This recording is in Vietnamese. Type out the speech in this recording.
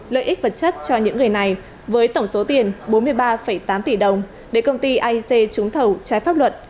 lợi ích vật chất cho những người này với tổng số tiền bốn mươi ba tám tỷ đồng để công ty aic trúng thầu trái pháp luật